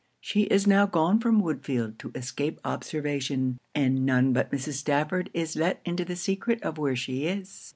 She is now gone from Woodfield to escape observation; and none but Mrs. Stafford is let into the secret of where she is.